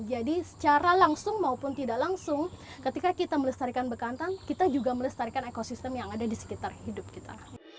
jadi secara langsung maupun tidak langsung ketika kita melestarikan bekantan kita juga melestarikan ekosistem yang ada di sekitar hidup kita